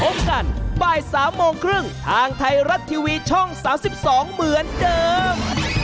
พบกันบ่าย๓โมงครึ่งทางไทยรัฐทีวีช่อง๓๒เหมือนเดิม